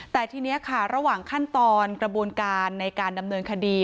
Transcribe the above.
แต่ทีนี้ค่ะระหว่างขั้นตอนกระบวนการในการดำเนินคดี